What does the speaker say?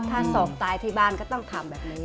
ถ้าศอกตายที่บ้านก็ต้องทำแบบนี้